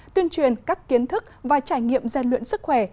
tuyên truyền các kiến thức và trải nghiệm gian luyện sức khỏe